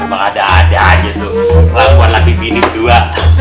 emang ada ada aja tuh pelakuan laki bini berdua